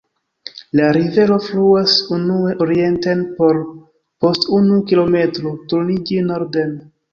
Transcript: La rivero fluas unue orienten por post unu kilometro turniĝi norden.